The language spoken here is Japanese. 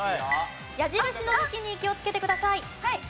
矢印の向きに気をつけてください。